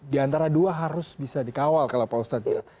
diantara dua harus bisa dikawal kalau pak ustadz